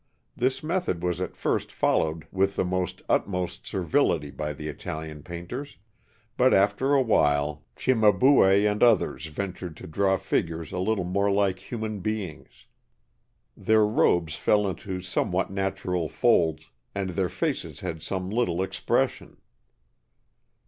This method was at first followed with the utmost servility by the Italian painters; but after a while Cimabue and others ventured to draw figures a little more like human beings. Their robes fell into somewhat natural folds, and their faces had some little expression.